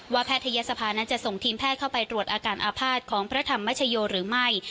แพทยศภานั้นจะส่งทีมแพทย์เข้าไปตรวจอาการอาภาษณ์ของพระธรรมชโยหรือไม่